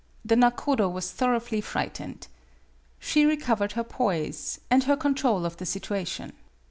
The nakodo was thoroughly frightened. She recovered her poise and her control of the situation.